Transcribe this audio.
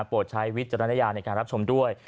ใช้วิจารณญาณในการรับชมด้วย